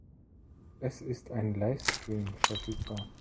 Es ist ein Livestream verfügbar.